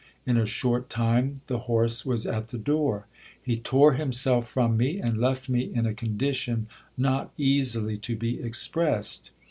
In a short time the horse was at the door. He tore himself from me, and left me in a con dition not easily to be expressed.